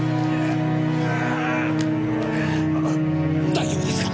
大丈夫ですか！？